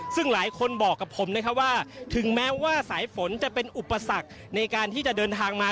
ซึ่งหลายคนบอกกับผมนะครับว่าถึงแม้ว่าสายฝนจะเป็นอุปสรรคในการที่จะเดินทางมา